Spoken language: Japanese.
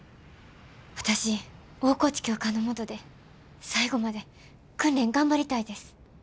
私大河内教官の下で最後まで訓練頑張りたいです。